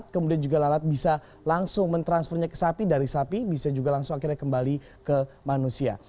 kemudian juga lalat bisa langsung mentransfernya ke sapi dari sapi bisa juga langsung akhirnya kembali ke manusia